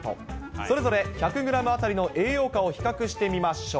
それぞれ１００グラム当たりの栄養価を比較してみましょう。